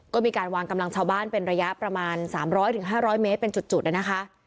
ก็มีการวางกำลังชาวบ้านเป็นระยะประมาณ๓๐๐๕๐๐เมตรเป็นจุดนะคะ